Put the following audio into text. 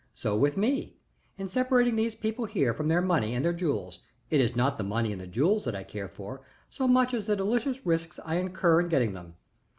So with me. In separating these people here from their money and their jewels, it is not the money and the jewels that I care for so much as the delicious risks I incur in getting them.